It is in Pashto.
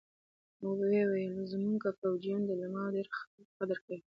ويې ويل زمونګه فوجيان د علماوو ډېر قدر کوي.